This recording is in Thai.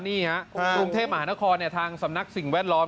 นี่ฮะกรุงเทพมหานครทางสำนักสิ่งแวดล้อม